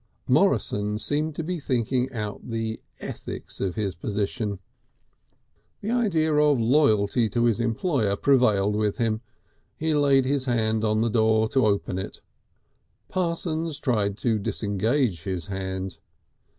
Morrison seemed to be thinking out the ethics of his position. The idea of loyalty to his employer prevailed with him. He laid his hand on the door to open it; Parsons tried to disengage his hand.